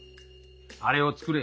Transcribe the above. あれを作れ